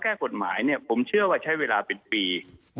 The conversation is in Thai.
รอแค่กฎหมายเนี่ยผมเชื่อว่าใช้เวลาเป็นปี